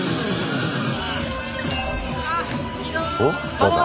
何だ？